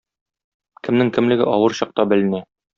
Кемнең кемлеге авыр чакта беленә.